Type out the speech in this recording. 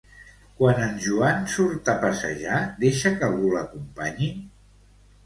Quan en Joan surt a passejar deixa que algú l'acompanyi?